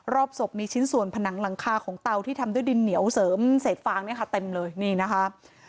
ศพมีชิ้นส่วนผนังหลังคาของเตาที่ทำด้วยดินเหนียวเสริมเศษฟางเนี่ยค่ะเต็มเลยนี่นะคะ